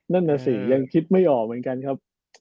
นั่นน่ะสิยังคิดไม่ออกเหมือนกันครับ